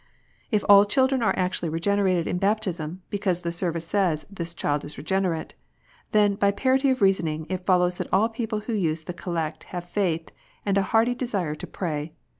If all children are actually regenerated in baptism, because the Service says, "This child is regenerate," then by parity of reasoning it follows that all people who use the Collect have faith, and a hearty desire to pray!